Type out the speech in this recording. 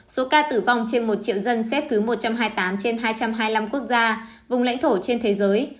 số ca tử vong trên một triệu dân xếp thứ một trăm hai mươi tám trên hai trăm hai mươi năm quốc gia vùng lãnh thổ trên thế giới